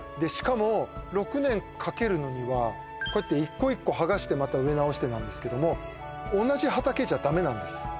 しかも６年かけるのには一個一個はがしてまた植え直してなんですけども同じ畑じゃダメなんです